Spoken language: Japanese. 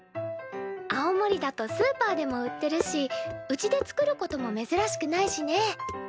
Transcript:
青森だとスーパーでも売ってるしうちで作ることもめずらしくないしね。